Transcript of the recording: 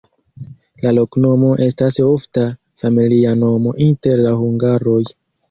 La loknomo estas ofta familia nomo inter la hungaroj.